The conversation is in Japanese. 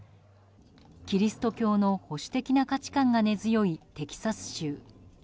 キリスト教の保守的な価値観が根強いテキサス州。